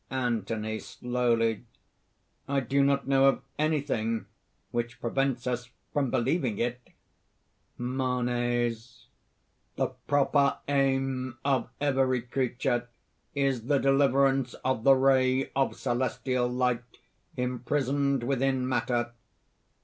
ANTHONY (slowly). "I do not know of anything ... which prevents us ... from believing it." MANES. "The proper aim of every creature is the deliverance of the ray of celestial light imprisoned within matter.